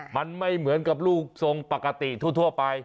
มันไม่เหมือนกับลูกทรงปกติทั่วไป